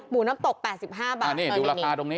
หมูน้ำตก๘๕บาท